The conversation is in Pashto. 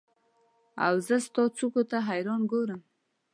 اوزه ستا څوکو ته حیران ګورم